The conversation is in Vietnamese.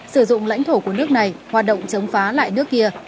sử dụng lãnh thổ của nước này hoạt động chống phá lại nước kia